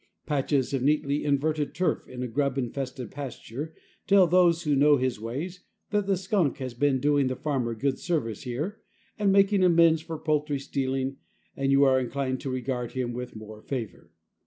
Patches of neatly inverted turf in a grub infested pasture tell those who know his ways that the skunk has been doing the farmer good service here, and making amends for poultry stealing, and you are inclined to regard him with more favor.